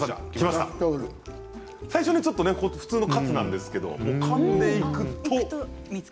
最初は普通のカツなんですけれどかんでいくと。